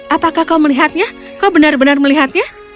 apakah kau melihatnya kau benar benar melihatnya